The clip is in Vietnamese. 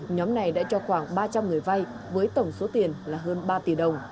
nhóm này đã cho khoảng ba trăm linh người vay với tổng số tiền là hơn ba tỷ đồng